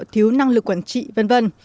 thiếu năng lực quản trị v v